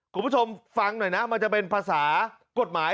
คุณผู้ชมฟังหน่อยนะมันจะเป็นภาษากฎหมาย